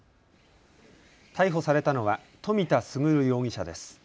逮捕されたのは冨田賢容疑者です。